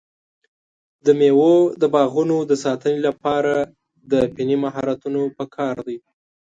د مېوو د باغونو د ساتنې لپاره د فني مهارتونو پکار دی.